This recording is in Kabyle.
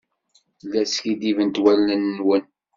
La skiddibent wallen-nwen.